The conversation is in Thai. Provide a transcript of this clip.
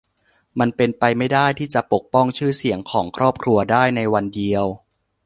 มันเป็นไปไม่ได้ที่จะปกป้องชื่อเสียงของครอบครัวได้ในวันเดียว